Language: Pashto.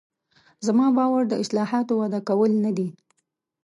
زما باور د اصطلاحاتو وضع کول نه دي.